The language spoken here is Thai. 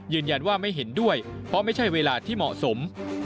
ยืนยันว่าไม่เห็นด้วยเพราะไม่ใช่เวลาที่เหมาะสม